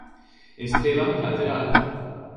Esteban lateral.